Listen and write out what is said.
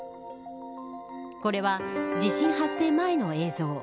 これは、地震発生前の映像。